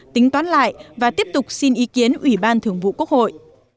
tính toán lại và tiếp tục xin ý kiến ủy ban thường vụ quốc hội